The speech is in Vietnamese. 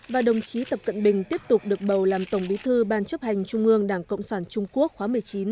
và đồng chí tập cận bình tiếp tục được bầu làm tổng bí thư ban chấp hành trung ương đảng cộng sản trung quốc khóa một mươi chín